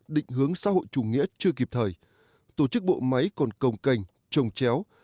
định hướng xã hội chủ nghĩa chưa kịp thời tổ chức bộ máy còn công cành trồng chéo